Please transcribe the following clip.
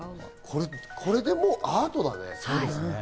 これで、もうアートだね。